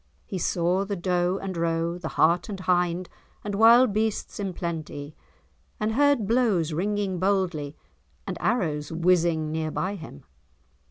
He saw the doe and roe, the hart and hind and wild beasts in plenty, and heard blows ringing boldly, and arrows whizzing near by him.